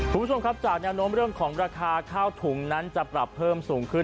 คุณผู้ชมครับจากแนวโน้มเรื่องของราคาข้าวถุงนั้นจะปรับเพิ่มสูงขึ้น